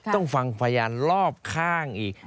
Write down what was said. ต้องฟังพยานรอบข้างอีก